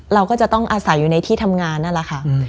เราก็จะต้องอาศัยอยู่ในที่ทำงานนั่นแหละค่ะ